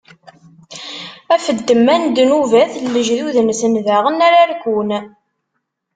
Ɣef ddemma n ddnubat n lejdud-nsen daɣen ara rkun.